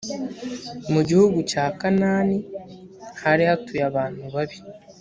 mu gihugu cya kanaani hari hatuye abantu babi